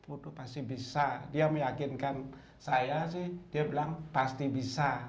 aduh pasti bisa dia meyakinkan saya sih dia bilang pasti bisa